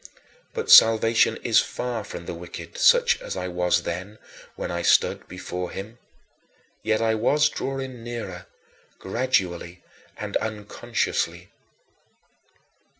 But "salvation is far from the wicked," such as I was then when I stood before him. Yet I was drawing nearer, gradually and unconsciously.